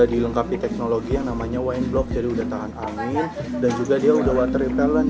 dilengkapi teknologi yang namanya wine block jadi udah tahan angin dan juga dia udah water it talent